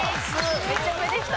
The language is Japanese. めっちゃ上でした。